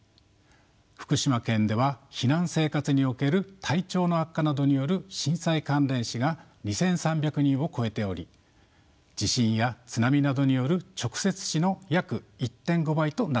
福島県では避難生活における体調の悪化などによる震災関連死が２，３００人を超えており地震や津波などによる直接死の約１．５倍となっています。